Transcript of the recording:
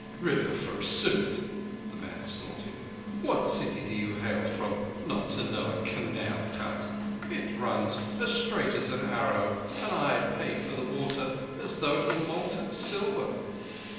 "River, forsooth!" the man snorted. "What city do ye hail from not to know a canal cut? It runs as straight as an arrow, and I pay for the water as though it were molten silver.